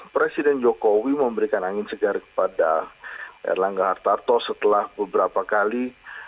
presiden jokowi memberikan angin segar kepada erlangga hartarto setelah beberapa kali